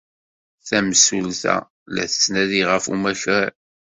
Tamsulta la tettnadi ɣef umakar.